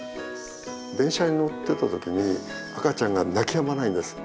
電車に乗ってた時に赤ちゃんが泣きやまないんです。